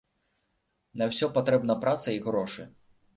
На ўсё патрэбна праца і грошы.